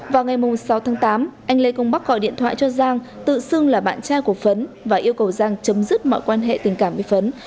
vào ngày sáu tháng tám anh lê công bắc gọi điện thoại cho giang tự xưng là bạn trai của phấn và yêu cầu giang chấm dứt mọi quan hệ tình cảm với phấn